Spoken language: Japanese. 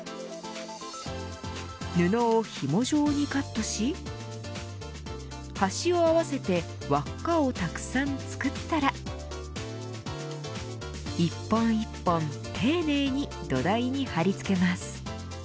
布をひも状にカットし端を合わせて輪っかをたくさん作ったら一本一本丁寧にどだいに貼り付けます。